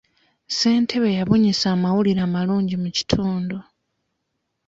Ssentebe yabunyisa amawulire amalungi mu kitundu.